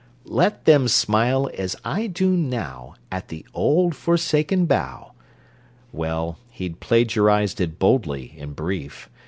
"Let them smile, as I do now, At the old forsaken bough" Well, he'd plagiarized it bodily, in brief!